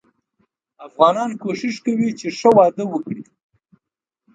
افغانان کوښښ کوي چې ښه واده وګړي.